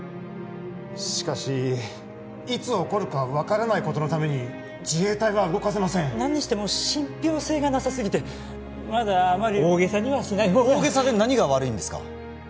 しかしいつ起こるか分からないことのために自衛隊は動かせません何にしても信ぴょう性がなさすぎてまだあまり大げさにはしないほうが大げさで何が悪いんですか？